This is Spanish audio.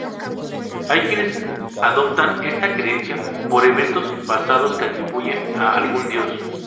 Hay quienes adoptan esta creencia por eventos pasados que atribuyen a algún dios.